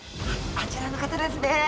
あちらの方ですね。